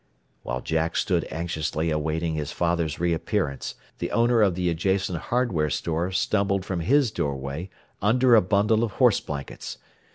While Jack stood anxiously awaiting his father's reappearance the owner of the adjacent hardware store stumbled from his doorway under a bundle of horse blankets.